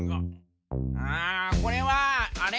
ああこれはあれ？